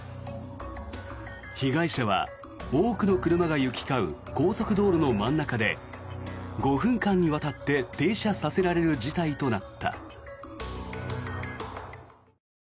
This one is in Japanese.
被害者は多くの車が行き交う高速道路の真ん中で５分間にわたって停車させられる事態となった。